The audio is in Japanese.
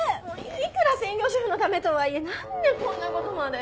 いくら専業主婦のためとはいえ何でこんなことまで。